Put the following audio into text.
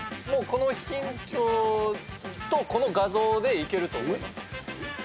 このヒントとこの画像でいけると思います。